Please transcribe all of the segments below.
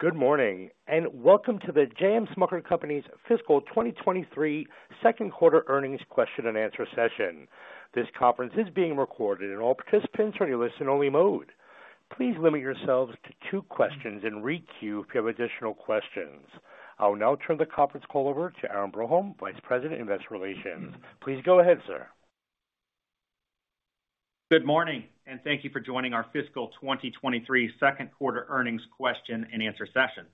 Good morning. Welcome to The J. M. Smucker Company's fiscal 2023 Q2 earnings question and answer session. This conference is being recorded and all participants are in listen only mode. Please limit yourselves to two questions and re-queue if you have additional questions. I will now turn the conference call over to Aaron Broholm, Vice President, Investor Relations. Please go ahead, sir. Good morning. Thank you for joining our fiscal 2023 Q2 earnings question and answer session.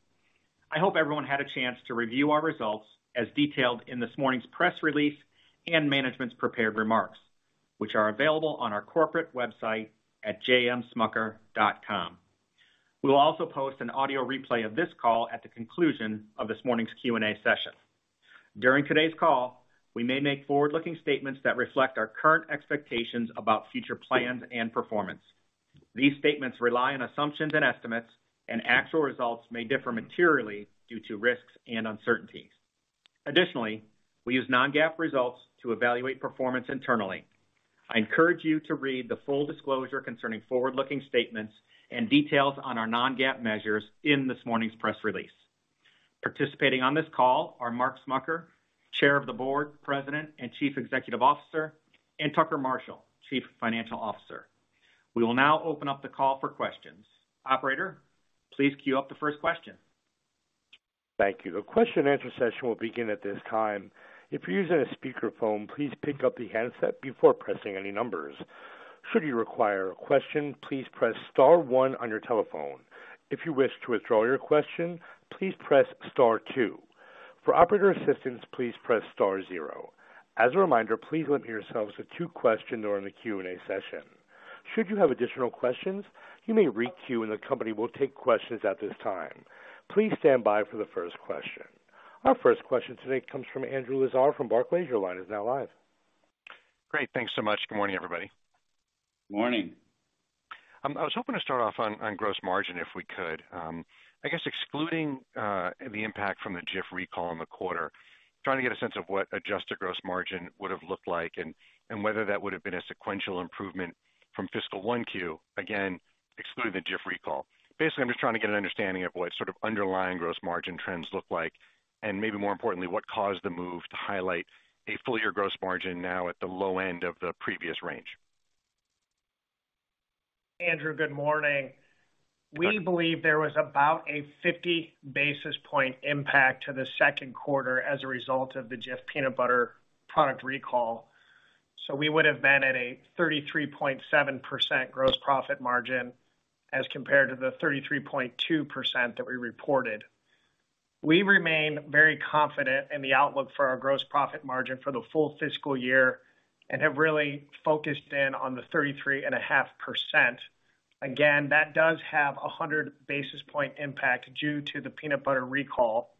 I hope everyone had a chance to review our results as detailed in this morning's press release and management's prepared remarks, which are available on our corporate website at jmsmucker.com. We will also post an audio replay of this call at the conclusion of this morning's Q&A session. During today's call, we may make forward-looking statements that reflect our current expectations about future plans and performance. These statements rely on assumptions and estimates, and actual results may differ materially due to risks and uncertainties. Additionally, we use non-GAAP results to evaluate performance internally. I encourage you to read the full disclosure concerning forward-looking statements and details on our non-GAAP measures in this morning's press release. Participating on this call are Mark Smucker, Chair of the Board, President, and Chief Executive Officer, and Tucker Marshall, Chief Financial Officer. We will now open up the call for questions. Operator, please queue up the first question. Thank you. The question and answer session will begin at this time. If you're using a speakerphone, please pick up the handset before pressing any numbers. Should you require a question, please press star one on your telephone. If you wish to withdraw your question, please press star two. For operator assistance, please press star zero. As a reminder, please limit yourselves to two questions during the Q&A session. Should you have additional questions, you may re-queue, and the company will take questions at this time. Please stand by for the first question. Our first question today comes from Andrew Lazar from Barclays. Your line is now live. Great. Thanks so much. Good morning, everybody. Morning. I was hoping to start off on gross margin, if we could. I guess excluding the impact from the Jif recall in the quarter, trying to get a sense of what adjusted gross margin would have looked like and whether that would have been a sequential improvement from fiscal 1Q, again, excluding the Jif recall. Basically, I'm just trying to get an understanding of what sort of underlying gross margin trends look like, and maybe more importantly, what caused the move to highlight a full year gross margin now at the low end of the previous range. Andrew, good morning. We believe there was about a 50 basis point impact to the Q2 as a result of the Jif peanut butter product recall. We would have been at a 33.7% gross profit margin as compared to the 33.2% that we reported. We remain very confident in the outlook for our gross profit margin for the full fiscal year and have really focused in on the 33.5%. Again, that does have a 100 basis point impact due to the peanut butter recall.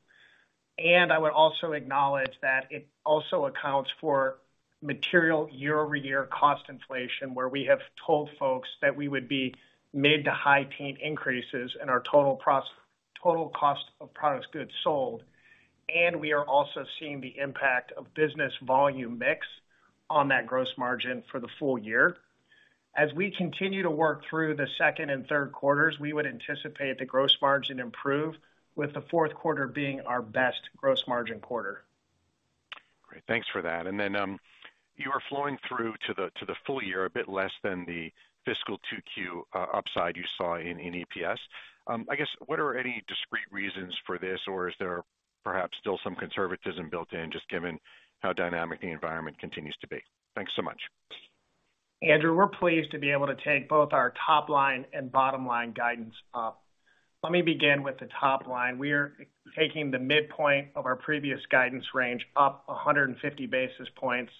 I would also acknowledge that it also accounts for material year-over-year cost inflation, where we have told folks that we would be mid to high teen increases in our total cost of products goods sold. We are also seeing the impact of business volume mix on that gross margin for the full year. As we continue to work through the second and Q3s, we would anticipate the gross margin improve, with the Q4 being our best gross margin quarter. Great. Thanks for that. Then, you are flowing through to the, to the full year a bit less than the fiscal 2Q upside you saw in EPS. I guess what are any discrete reasons for this? Or is there perhaps still some conservatism built in just given how dynamic the environment continues to be? Thanks so much. Andrew, we're pleased to be able to take both our top line and bottom line guidance up. Let me begin with the top line. We are taking the midpoint of our previous guidance range up 150 basis points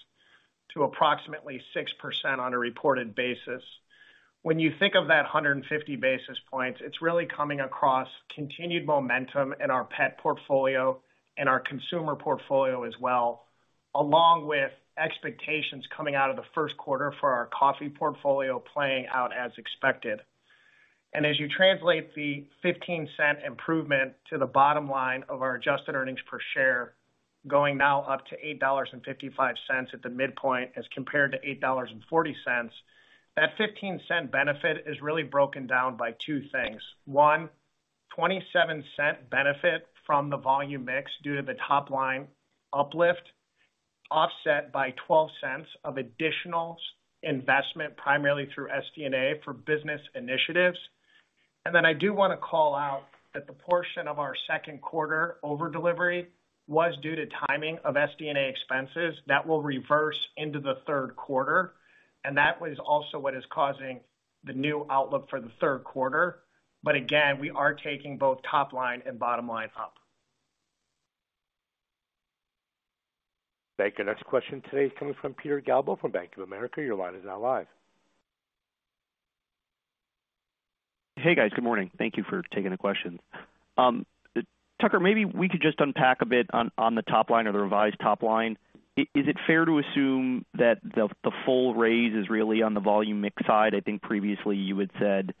to approximately 6% on a reported basis. When you think of that 150 basis points, it's really coming across continued momentum in our pet portfolio and our consumer portfolio as well, along with expectations coming out of the Q1 for our coffee portfolio playing out as expected. As you translate the $0.15 improvement to the bottom line of our adjusted earnings per share, going now up to $8.55 at the midpoint as compared to $8.40, that $0.15 benefit is really broken down by two things. $1.27 benefit from the volume mix due to the top line uplift, offset by $0.12 of additional investment, primarily through SD&A for business initiatives. I do wanna call out that the portion of our Q2 over delivery was due to timing of SD&A expenses that will reverse into the Q3, and that was also what is causing the new outlook for the Q3. We are taking both top line and bottom line up. Thank you. Next question today comes from Peter Galbo from Bank of America. Your line is now live. Hey, guys. Good morning. Thank you for taking the questions. Tucker, maybe we could just unpack a bit on the top line or the revised top line. Is it fair to assume that the full raise is really on the volume mix side? I think previously you had said,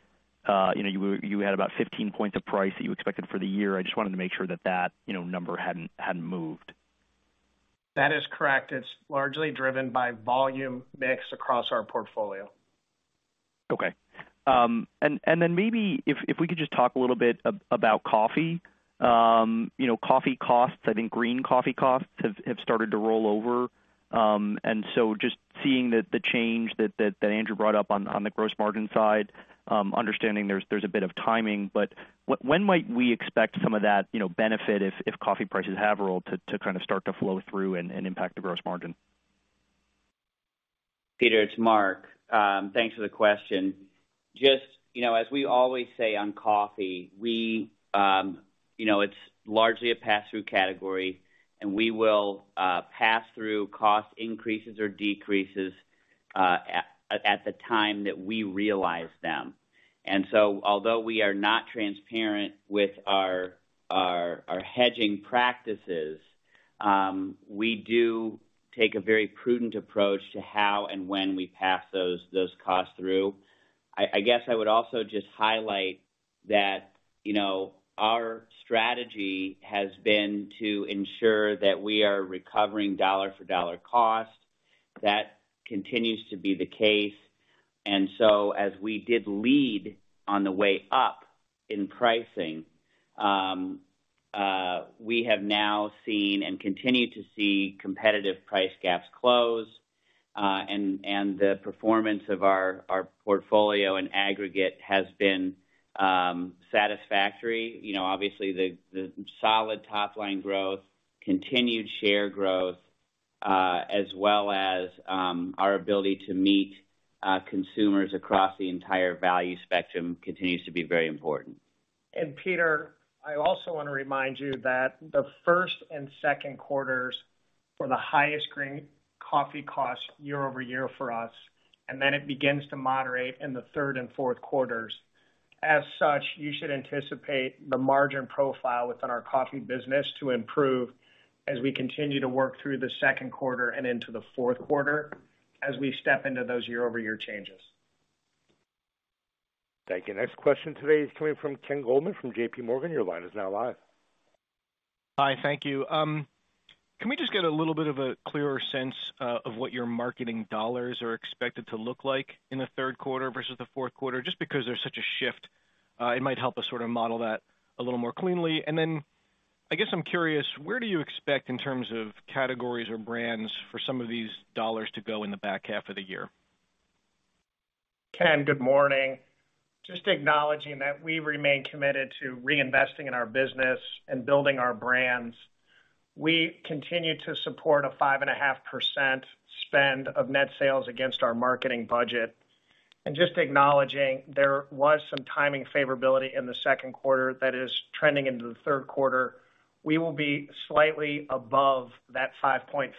you know, you had about 15 points of price that you expected for the year. I just wanted to make sure that that, you know, number hadn't moved. That is correct. It's largely driven by volume mix across our portfolio. Okay. Maybe if we could just talk a little bit about coffee. You know, coffee costs, I think green coffee costs have started to roll over. Just seeing the change that Andrew brought up on the gross margin side, understanding there's a bit of timing. When might we expect some of that, you know, benefit if coffee prices have rolled to kind of start to flow through and impact the gross margin? Peter, it's Mark. Thanks for the question. Just, you know, as we always say on coffee, we, you know, it's largely a pass-through category, and we will pass through cost increases or decreases at the time that we realize them. Although we are not transparent with our hedging practices, we do take a very prudent approach to how and when we pass those costs through. I guess I would also just highlight that, you know, our strategy has been to ensure that we are recovering dollar for dollar cost. That continues to be the case. As we did lead on the way up in pricing, we have now seen and continue to see competitive price gaps close, and the performance of our portfolio and aggregate has been satisfactory. You know, obviously the solid top line growth, continued share growth, as well as, our ability to meet, consumers across the entire value spectrum continues to be very important. Peter, I also want to remind you that the first and Q2s were the highest green coffee costs year-over-year for us, and then it begins to moderate in the third and Q4s. As such, you should anticipate the margin profile within our coffee business to improve as we continue to work through the Q2 and into the Q4 as we step into those year-over-year changes. Thank you. Next question today is coming from Ken Goldman from JPMorgan. Your line is now live. Hi. Thank you. Can we just get a little bit of a clearer sense of what your marketing dollars are expected to look like in the Q3 versus the Q4? Just because there's such a shift, it might help us sort of model that a little more cleanly. Then I guess I'm curious, where do you expect in terms of categories or brands for some of these dollars to go in the back half of the year? Ken, good morning. Just acknowledging that we remain committed to reinvesting in our business and building our brands. We continue to support a 5.5% spend of net sales against our marketing budget. Just acknowledging there was some timing favorability in the Q2 that is trending into the Q3. We will be slightly above that 5.5%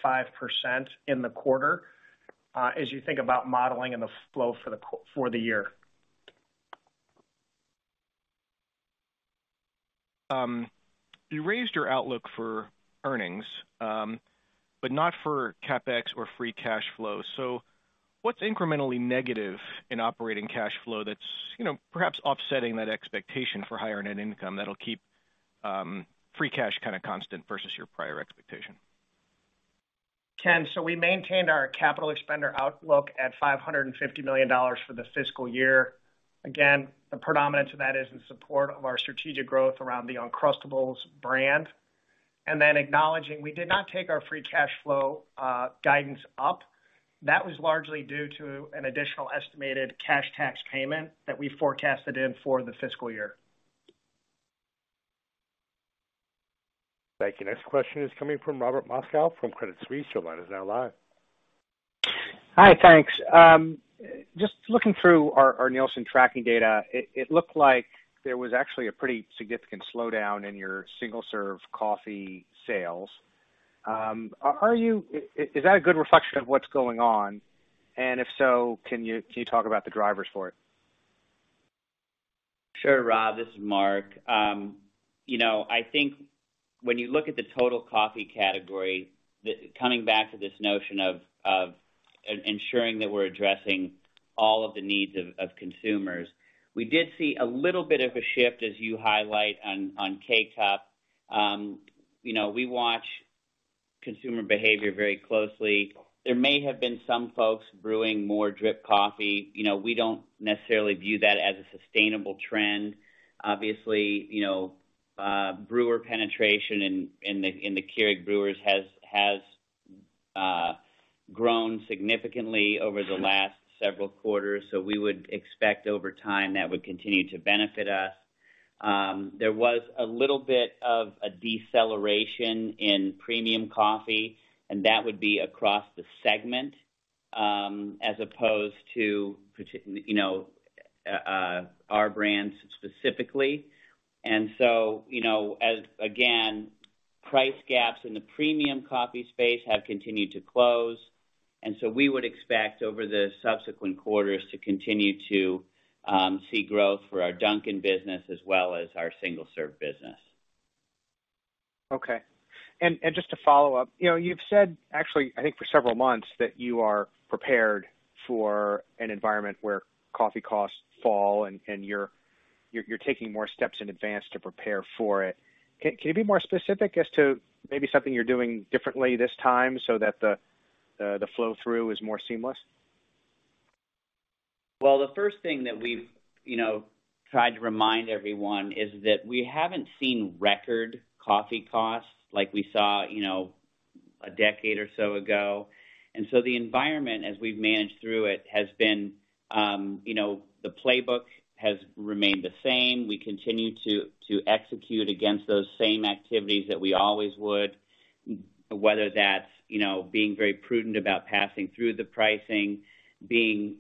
in the quarter, as you think about modeling and the flow for the year. You raised your outlook for earnings, but not for CapEx or free cash flow. What's incrementally negative in operating cash flow that's, you know, perhaps offsetting that expectation for higher net income that'll keep free cash kinda constant versus your prior expectation? Ken, we maintained our capital expenditure outlook at $550 million for the fiscal year. The predominance of that is in support of our strategic growth around the Uncrustables brand. Acknowledging we did not take our free cash flow guidance up. That was largely due to an additional estimated cash tax payment that we forecasted in for the fiscal year. Thank you. Next question is coming from Robert Moskow from Credit Suisse. Your line is now live. Hi. Thanks. just looking through our Nielsen tracking data, it looked like there was actually a pretty significant slowdown in your single-serve coffee sales. Is that a good reflection of what's going on? If so, can you talk about the drivers for it? Sure, Rob, this is Mark. You know, I think when you look at the total coffee category, coming back to this notion of ensuring that we're addressing all the needs of consumers, we did see a little bit of a shift, as you highlight on K-Cup. You know, we watch consumer behavior very closely. There may have been some folks brewing more drip coffee. You know, we don't necessarily view that as a sustainable trend. Obviously, you know, brewer penetration in the Keurig brewers has grown significantly over the last several quarters. We would expect over time that would continue to benefit us. There was a little bit of a deceleration in premium coffee. That would be across the segment, as opposed to our brands specifically. You know, as, again, price gaps in the premium coffee space have continued to close. We would expect over the subsequent quarters to continue to see growth for our Dunkin' business as well as our single-serve business. Okay. Just to follow up, you know, you've said actually, I think for several months, that you are prepared for an environment where coffee costs fall and you're You're taking more steps in advance to prepare for it. Can you be more specific as to maybe something you're doing differently this time so that the flow through is more seamless? The first thing that we've, you know, tried to remind everyone is that we haven't seen record coffee costs like we saw, you know, a decade or so ago. The environment as we've managed through it has been, you know, the playbook has remained the same. We continue to execute against those same activities that we always would, whether that's, you know, being very prudent about passing through the pricing, being,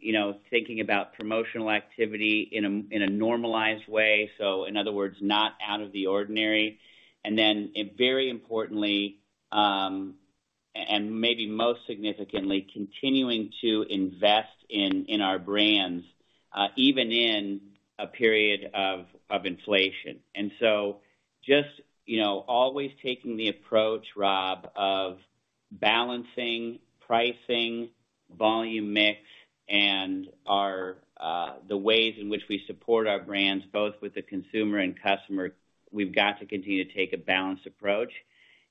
you know, thinking about promotional activity in a, in a normalized way, so in other words, not out of the ordinary. And very importantly, and maybe most significantly, continuing to invest in our brands, even in a period of inflation. Just, you know, always taking the approach, Rob, of balancing pricing, volume mix, and our the ways in which we support our brands, both with the consumer and customer, we've got to continue to take a balanced approach,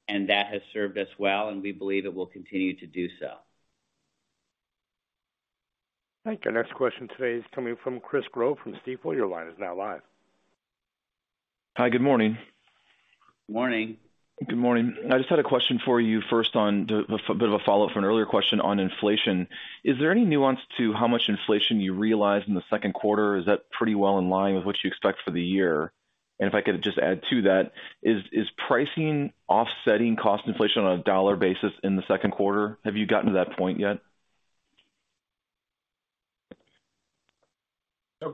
and that has served us well, and we believe it will continue to do so. Thank you. Next question today is coming from Chris Growe from Stifel. Your line is now live. Hi, good morning. Morning. Good morning. I just had a question for you first on a bit of a follow-up from an earlier question on inflation. Is there any nuance to how much inflation you realized in the Q2? Is that pretty well in line with what you expect for the year? If I could just add to that, is pricing offsetting cost inflation on a dollar basis in the Q2? Have you gotten to that point yet?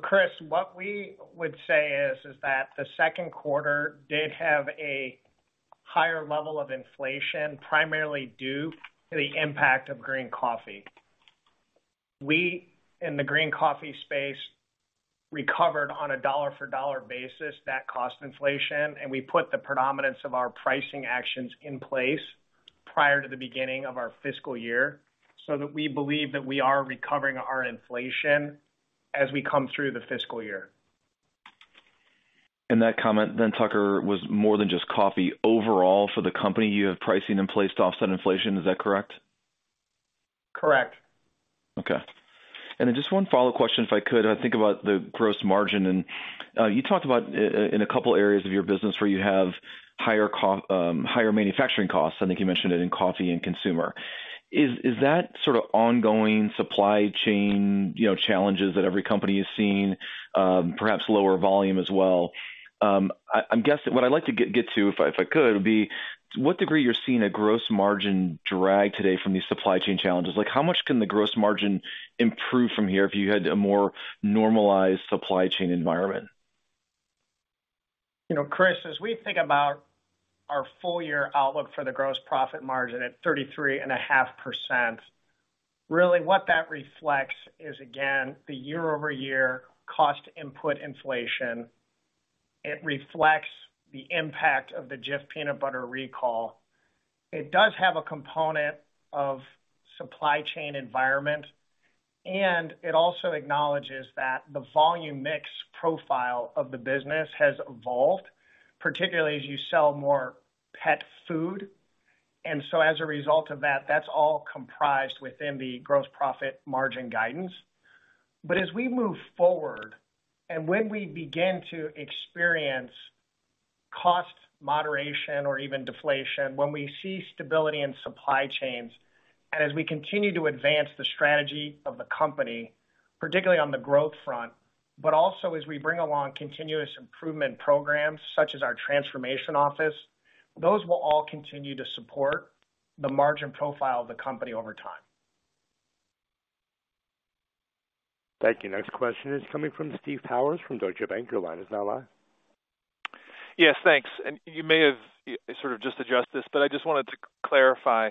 Chris, what we would say is that the Q2 did have a higher level of inflation, primarily due to the impact of green coffee. We, in the green coffee space, recovered on a dollar for dollar basis that cost inflation, and we put the predominance of our pricing actions in place prior to the beginning of our fiscal year, that we believe that we are recovering our inflation as we come through the fiscal year. That comment then, Tucker, was more than just coffee. Overall for the company, you have pricing in place to offset inflation. Is that correct? Correct. Okay. Just one follow question, if I could. I think about the gross margin, and you talked about in a couple areas of your business where you have higher manufacturing costs. I think you mentioned it in coffee and consumer. Is that sort of ongoing supply chain, you know, challenges that every company has seen, perhaps lower volume as well? I'm guessing, what I'd like to get to, if I could, would be to what degree you're seeing a gross margin drag today from these supply chain challenges. Like, how much can the gross margin improve from here if you had a more normalized supply chain environment? You know, Chris, as we think about our full year outlook for the gross profit margin at 33.5%, really what that reflects is, again, the year-over-year cost input inflation. It reflects the impact of the Jif peanut butter recall. It does have a component of supply chain environment, and it also acknowledges that the volume mix profile of the business has evolved, particularly as you sell more pet food. As a result of that's all comprised within the gross profit margin guidance. As we move forward, and when we begin to experience cost moderation or even deflation, when we see stability in supply chains, and as we continue to advance the strategy of the company, particularly on the growth front, but also as we bring along continuous improvement programs, such as our transformation office, those will all continue to support the margin profile of the company over time. Thank you. Next question is coming from Steve Powers from Deutsche Bank. Your line is now live. Yes, thanks. You may have sort of just addressed this, but I just wanted to clarify,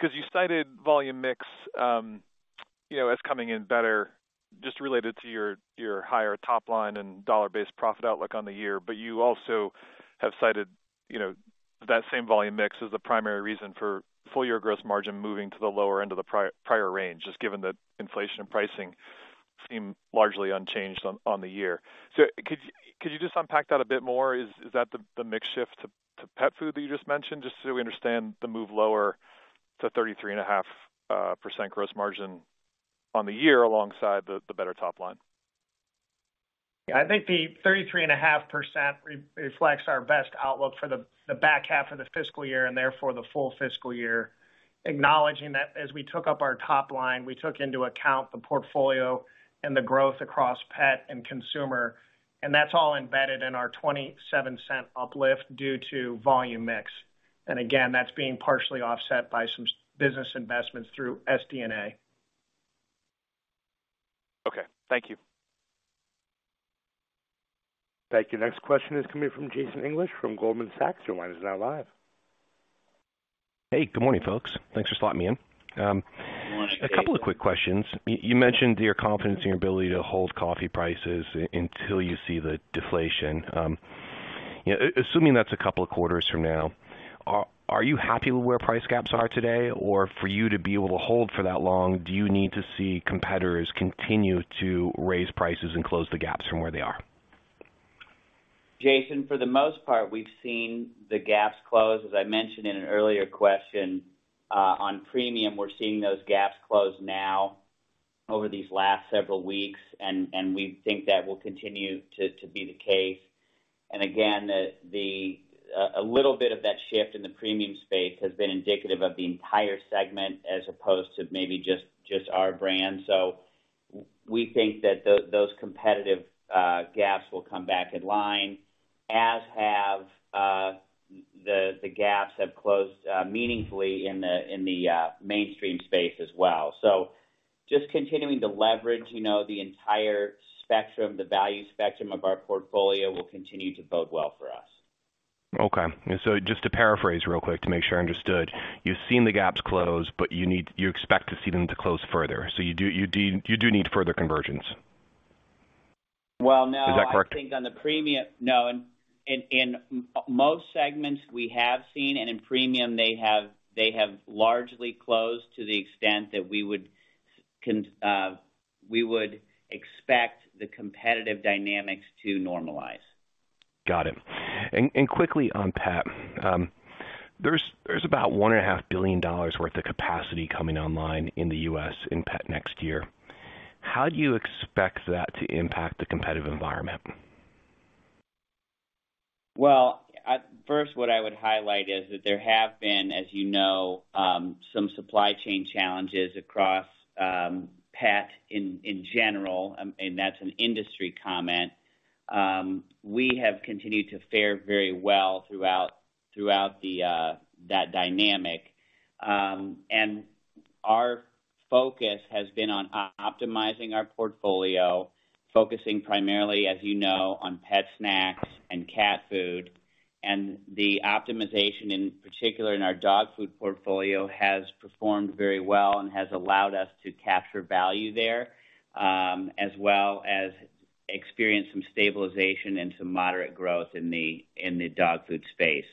'cause you cited volume mix, you know, as coming in better just related to your higher top line and dollar-based profit outlook on the year. You also have cited, you know, that same volume mix as the primary reason for full year gross margin moving to the lower end of the prior range, just given that inflation and pricing seem largely unchanged on the year. Could you just unpack that a bit more? Is that the mix shift to pet food that you just mentioned, just so we understand the move lower to 33.5% gross margin on the year alongside the better top line? I think the 33.5% re-reflects our best outlook for the back half of the fiscal year and therefore the full fiscal year, acknowledging that as we took up our top line, we took into account the portfolio and the growth across pet and consumer, and that's all embedded in our $0.27 uplift due to volume mix. That's being partially offset by some business investments through SD&A. Okay. Thank you. Thank you. Next question is coming from Jason English from Goldman Sachs. Your line is now live. Hey, good morning, folks. Thanks for slotting me in. Morning. A couple of quick questions. You mentioned your confidence in your ability to hold coffee prices until you see the deflation. Yeah, assuming that's a couple of quarters from now, are you happy with where price gaps are today? Or for you to be able to hold for that long, do you need to see competitors continue to raise prices and close the gaps from where they are? Jason, for the most part, we've seen the gaps close. As I mentioned in an earlier question, on premium, we're seeing those gaps close now over these last several weeks, and we think that will continue to be the case. Again, the a little bit of that shift in the premium space has been indicative of the entire segment as opposed to maybe just our brand. We think that those competitive gaps will come back in line, as have the gaps have closed meaningfully in the mainstream space as well. Just continuing to leverage, you know, the entire spectrum, the value spectrum of our portfolio will continue to bode well for us. Okay. just to paraphrase real quick to make sure I understood. You've seen the gaps close, but you expect to see them to close further. You do need further convergence? Well, no. Is that correct? I think on the premium. No, in most segments we have seen and in premium, they have largely closed to the extent that we would expect the competitive dynamics to normalize. Got it. Quickly on pet. There's about one and a half billion dollars worth of capacity coming online in the U.S. in pet next year. How do you expect that to impact the competitive environment? Well, first, what I would highlight is that there have been, as you know, some supply chain challenges across pet in general, and that's an industry comment. We have continued to fare very well throughout the dynamic. Our focus has been on optimizing our portfolio, focusing primarily, as you know, on pet snacks and cat food. The optimization, in particular in our dog food portfolio, has performed very well and has allowed us to capture value there, as well as experience some stabilization and some moderate growth in the dog food space.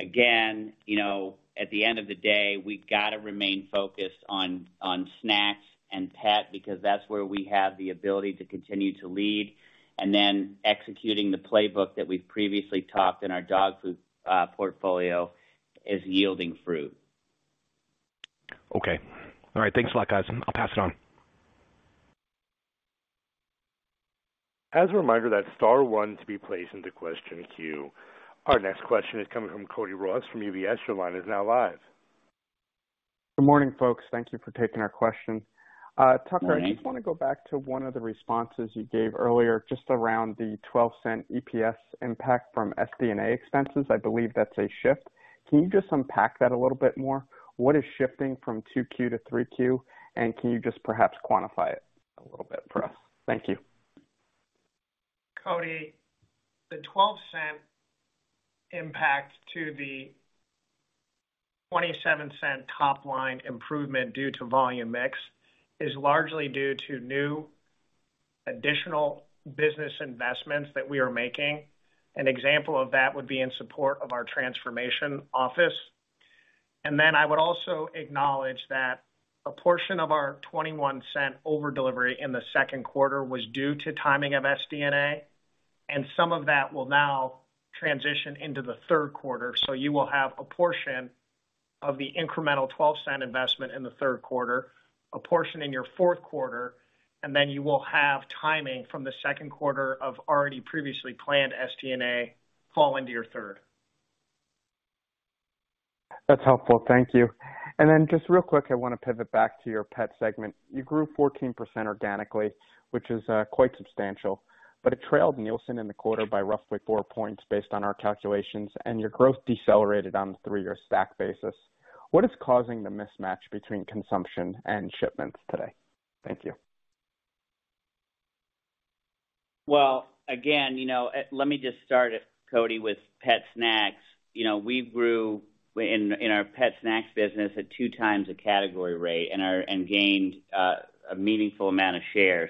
Again, you know, at the end of the day, we've got to remain focused on snacks and pet because that's where we have the ability to continue to lead. Executing the playbook that we've previously talked in our dog food portfolio is yielding fruit. Okay. All right. Thanks a lot, guys. I'll pass it on. As a reminder, that's star one to be placed into question queue. Our next question is coming from Cody Ross from UBS. Your line is now live. Good morning, folks. Thank you for taking our question. Morning. I just wanna go back to one of the responses you gave earlier, just around the $0.12 EPS impact from SD&A expenses. I believe that's a shift. Can you just unpack that a little bit more? What is shifting from 2Q to 3Q? Can you just perhaps quantify it a little bit for us? Thank you. Cody. The $0.12 impact to the $0.27 top line improvement due to volume mix is largely due to new additional business investments that we are making. An example of that would be in support of our transformation office. I would also acknowledge that a portion of our $0.21 over delivery in the Q2 was due to timing of SD&A, and some of that will now transition into the Q3. You will have a portion of the incremental $0.12 investment in the Q3, a portion in your Q4, you will have timing from the Q2 of already previously planned SD&A fall into your third. That's helpful. Thank you. Just real quick, I wanna pivot back to your pet segment. You grew 14% organically, which is quite substantial, but it trailed Nielsen in the quarter by roughly 4 points based on our calculations, and your growth decelerated on the three-year stack basis. What is causing the mismatch between consumption and shipments today? Thank you. Well, again, you know, let me just start, Cody, with pet snacks. You know, we grew in our pet snacks business at two times the category rate and gained a meaningful amount of share.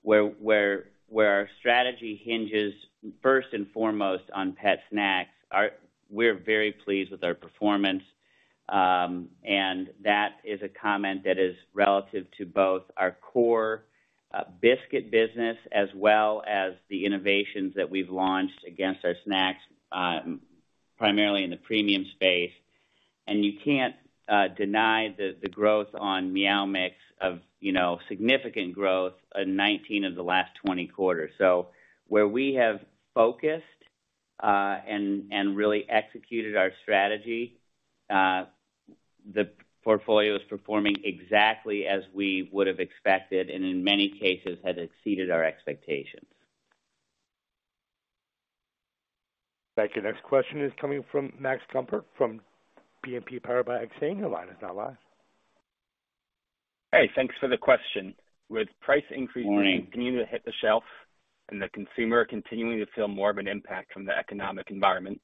Where our strategy hinges first and foremost on pet snacks, we're very pleased with our performance. That is a comment that is relative to both our core biscuit business as well as the innovations that we've launched against our snacks primarily in the premium space. You can't deny the growth on Meow Mix of, you know, significant growth in 19 of the last 20 quarters. Where we have focused and really executed our strategy, the portfolio is performing exactly as we would have expected and in many cases has exceeded our expectations. Thank you. Next question is coming from Max Kofler from BNP Paribas Exane. Your line is now live. Hey, thanks for the question. With price increases- Morning. Continuing to hit the shelf and the consumer continuing to feel more of an impact from the economic environment,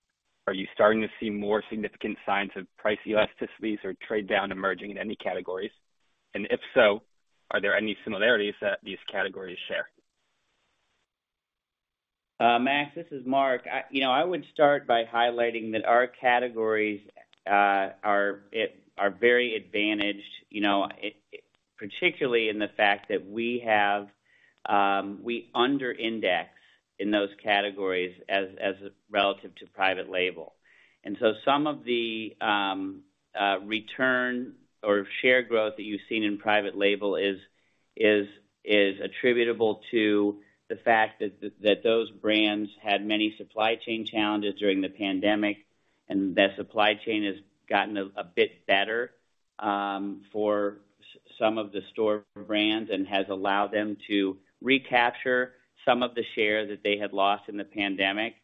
are you starting to see more significant signs of price elasticities or trade down emerging in any categories? If so, are there any similarities that these categories share? Max, this is Mark. You know, I would start by highlighting that our categories are very advantaged, you know, particularly in the fact that we have, we under index in those categories as relative to private label. Some of the return or share growth that you've seen in private label is attributable to the fact that those brands had many supply chain challenges during the pandemic, and that supply chain has gotten a bit better for some of the store brands and has allowed them to recapture some of the share that they had lost in the pandemic.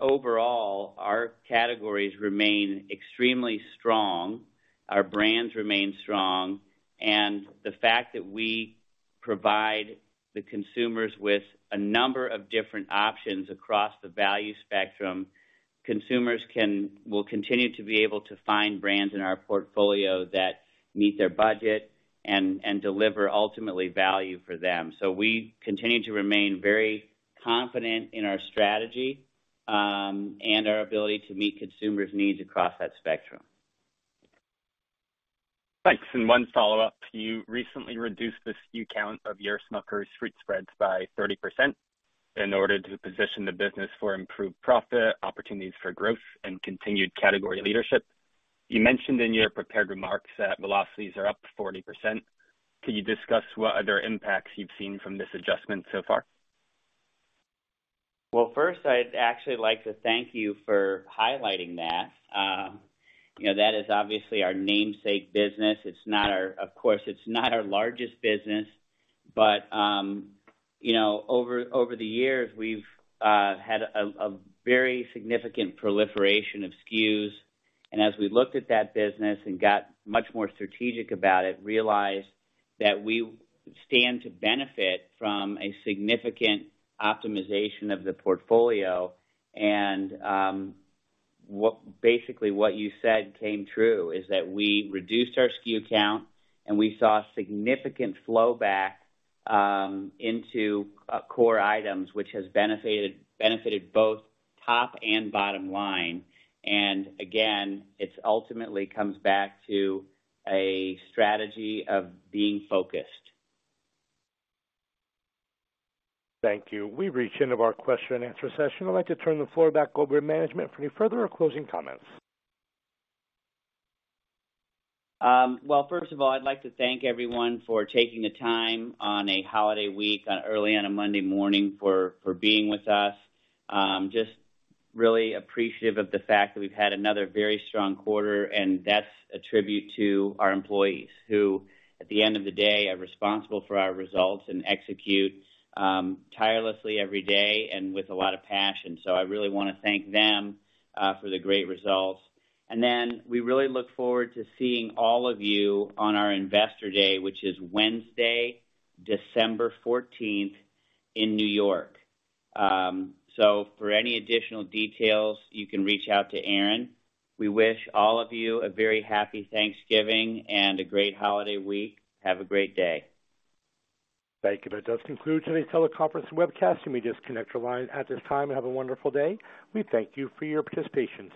Overall, our categories remain extremely strong. Our brands remain strong, and the fact that we provide the consumers with a number of different options across the value spectrum, consumers will continue to be able to find brands in our portfolio that meet their budget and deliver ultimately value for them. We continue to remain very confident in our strategy, and our ability to meet consumers' needs across that spectrum. Thanks. One follow-up. You recently reduced the SKU count of your Smucker's fruit spreads by 30% in order to position the business for improved profit opportunities for growth and continued category leadership. You mentioned in your prepared remarks that velocities are up 40%. Could you discuss what other impacts you've seen from this adjustment so far? Well, first, I'd actually like to thank you for highlighting that. you know, that is obviously our namesake business. of course, it's not our largest business, but, you know, over the years, we've had a very significant proliferation of SKUs. As we looked at that business and got much more strategic about it, realized that we stand to benefit from a significant optimization of the portfolio. basically, what you said came true, is that we reduced our SKU count and we saw significant flowback into core items, which has benefited both top and bottom line. Again, it ultimately comes back to a strategy of being focused. Thank you. We've reached the end of our question and answer session. I'd like to turn the floor back over to management for any further or closing comments. Well, first of all, I'd like to thank everyone for taking the time on a holiday week, on early on a Monday morning for being with us. Just really appreciative of the fact that we've had another very strong quarter, that's a tribute to our employees, who, at the end of the day, are responsible for our results and execute tirelessly every day and with a lot of passion. I really wanna thank them for the great results. We really look forward to seeing all of you on our Investor Day, which is Wednesday, December 14th, in New York. For any additional details, you can reach out to Aaron. We wish all of you a very happy Thanksgiving and a great holiday week. Have a great day. Thank you. That does conclude today's teleconference and webcast. You may disconnect your line at this time. Have a wonderful day. We thank you for your participation today.